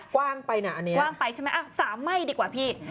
กว้างไปนะอันนี้สามไม่ดีกว่าพี่